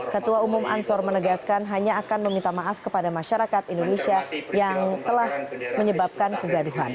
ketua umum ansor menegaskan hanya akan meminta maaf kepada masyarakat indonesia yang telah menyebabkan kegaduhan